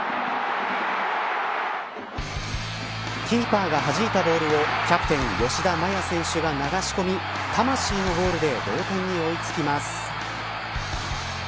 キーパーがはじいたボールをキャプテン、吉田麻也選手が流し込み魂のゴールで同点に追いつきます。